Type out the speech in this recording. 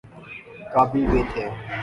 قابل بھی تھے۔